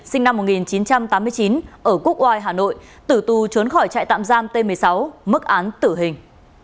sinh năm một nghìn chín trăm tám mươi chín ở quốc oai hà nội tử tù trốn khỏi trại tạm giam t một mươi sáu mức án tử hình